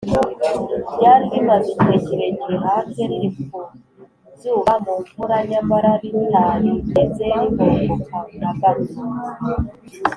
ryari rimaze igihe kirekire hanze, riri ku zuba, mu mvura, nyamara ritarigeze rihongoka na gato